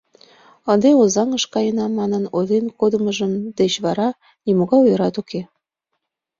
Ынде Озаҥыш каена манын, ойлен кодымыж деч вара нимогай уверат уке».